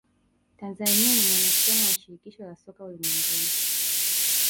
tanzania ni mwanachama wa shirikisho la soka ulimwenguni